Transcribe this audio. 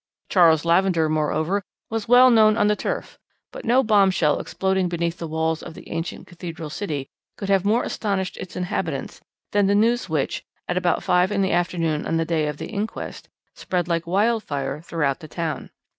Charles Lavender, moreover, was well known on the turf; but no bombshell exploding beneath the walls of the ancient cathedral city could more have astonished its inhabitants than the news which, at about five in the afternoon on the day of the inquest, spread like wildfire throughout the town.